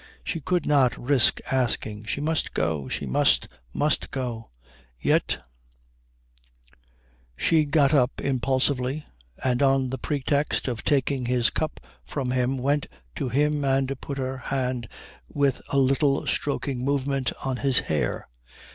She could not risk asking. She must go. She must, must go. Yet She got up impulsively, and on the pretext of taking his cup from him went to him and put her hand with a little stroking movement on his hair.